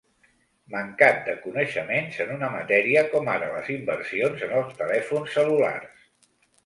Mancat de coneixements en una matèria com ara les inversions en els telèfons cel·lulars.